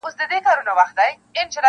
په وطن کي چی نېستي سي د پوهانو -